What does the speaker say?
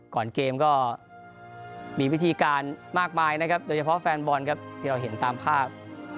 ก่อนเกมก็มีวิธีการมากมายนะครับโดยเฉพาะแฟนบอลครับที่เราเห็นตามภาพ